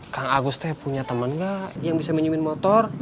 kang agust thee punya temen gak yang bisa minumin motor